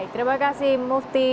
terima kasih mufti